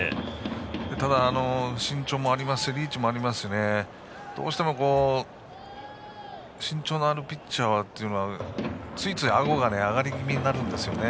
ただ、身長もありますしリーチもありますのでどうしても身長のあるピッチャーはついつい、あごが上がり気味になるんですね。